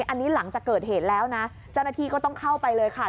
อันนี้หลังจากเกิดเหตุแล้วนะเจ้าหน้าที่ก็ต้องเข้าไปเลยค่ะ